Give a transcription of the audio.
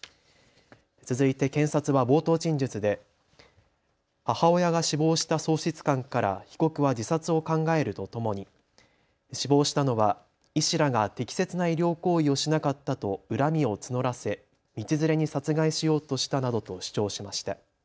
続いて検察は冒頭陳述で母親が死亡した喪失感から被告は自殺を考えるとともに死亡したのは医師らが適切な医療行為をしなかったと恨みを募らせ道連れに殺害しようとしたなどと主張しました。